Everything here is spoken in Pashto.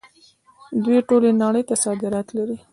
دوی ټولې نړۍ ته صادرات لري.